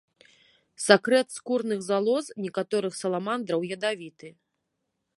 Сакрэт скурных залоз некаторых саламандраў ядавіты.